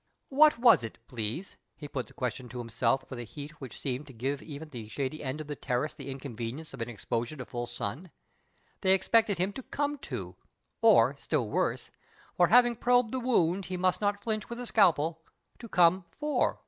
What was it, jjlease, he put tlie question to him self with a heat which seemed to give even the shad)' end of the terrace the inconvenience of an exposure to full sun, they expected him to come to, or, still worse, for having probed the wound he must not flinch with the scalpel, to come /or